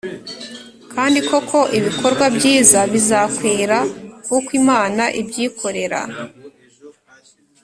kandi koko ibikorwa byiza bizakwira kuko imana ibyikorera